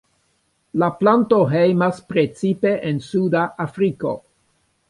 La planto hejmas precipe en suda Afriko.